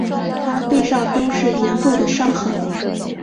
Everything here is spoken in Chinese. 她背上都是严重的伤痕